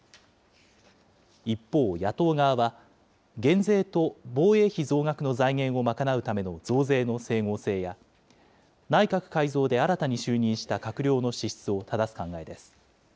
一方、野党側は、減税と防衛費増額の財源を賄うための増税の整合性や内閣改造で新たに就任した閣僚の資質をただす考えです。